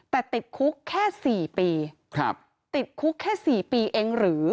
แต่ติดคุกแค่๔ปีติดคุกแค่๔ปีเองหรือ